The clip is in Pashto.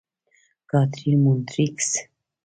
کاترین: مونټریکس.